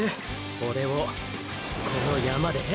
オレをこの山で？